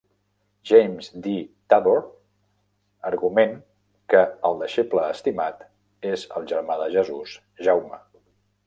James D. Tabor argument que el deixeble estimat és el germà de Jesús, Jaume.